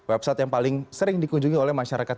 website yang paling sering dikunjungi oleh masyarakat